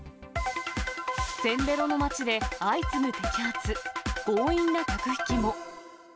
せんべろの街で相次ぐ摘発、強引な客引きも。